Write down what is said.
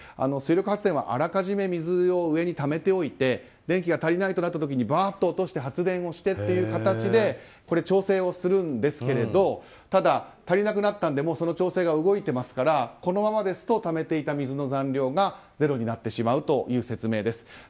水力発電はあらかじめ水を上にためておいて電気が足りないとなった時にばーっと落として発電してという形で調整するんですけれどただ、足りなくなったのでその調整が動いていますからこのままですとためていた水の残量が０になってしまうという説明です。